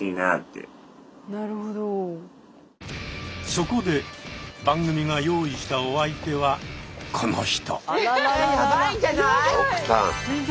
そこで番組が用意したお相手はこの人。